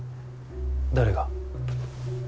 誰が？